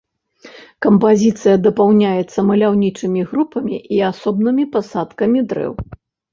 Кампазіцыя дапаўняецца маляўнічымі групамі і асобнымі пасадкамі дрэў.